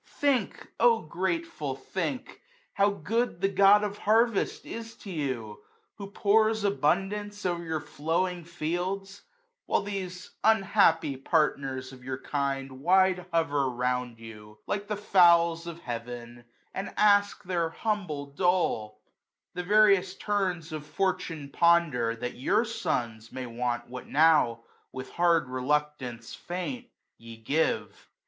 Think, oh grateful think ! How good the Gron of Harvest is to you ; 170 Who pours abundance o*er your flowing fields ; While these unhappy partners of your kind Wide hover round you, like the fowls of heav*n, And ask their humble dole^ The various turns Of fortune ponder ; that your sons may want 1 75 What now> with hard reluctance, faint, ye give.